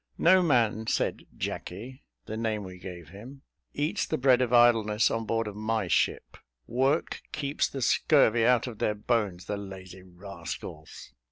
"No man," said Jacky (the name we gave him) "eats the bread of idleness on board of my ship: work keeps the scurvy out of their bones, the lazy rascals."